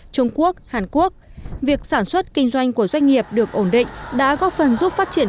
trung quốc hàn quốc việc sản xuất kinh doanh của doanh nghiệp được ổn định đã góp phần giúp phát triển